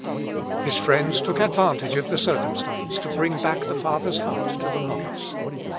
His friends took advantage of the circumstance to bring back the father's heart to the novice.